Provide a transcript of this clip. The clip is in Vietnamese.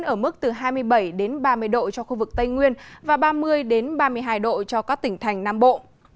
ở mức từ hai mươi bảy ba mươi độ cho khu vực tây nguyên và ba mươi ba mươi hai độ cho các tỉnh thành nam bộ